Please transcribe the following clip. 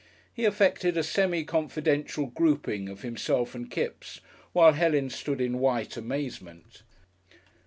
He affected a semi confidential grouping of himself and Kipps while Helen stood in white amazement.